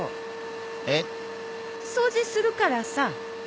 えっ？掃除するからさ。